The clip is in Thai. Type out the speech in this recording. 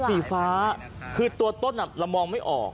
เออคือตัวต้นมองไม่ออก